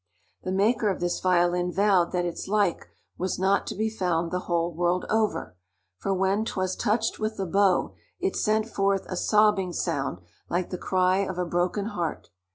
The maker of this violin vowed that its like was not to be found the whole world over, for when 'twas touched with the bow, it sent forth a sobbing sound like the cry of a broken heart.